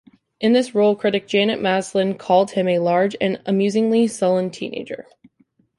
In this role, critic Janet Maslin called him a "large and amusingly sullen teenager".